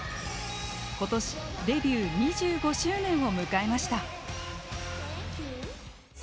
今年デビュー２５周年を迎えました。